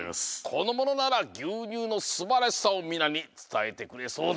このものならぎゅうにゅうのすばらしさをみなにつたえてくれそうだ！